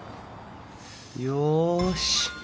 よし。